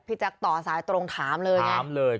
พี่จักต่อสายตรงถามเลย